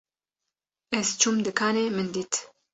Ez çûm dikanê min dît